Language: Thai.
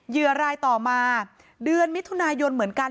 เหยื่อรายต่อมาเดือนมิถุนายนเหมือนกัน